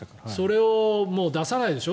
それを出さないでしょ